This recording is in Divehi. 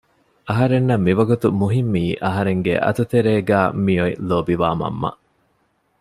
އަހަރެންނަށް މިވަގުތު މުހިއްމީ އަހަރެންގެ އަތުތެރޭގައި މިއޮތް ލޯބިވާ މަންމަ